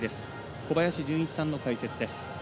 小林順一さんの解説です。